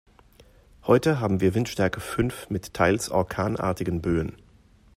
Heute haben wir Windstärke fünf mit teils orkanartigen Böen.